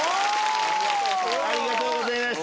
ありがとうございます。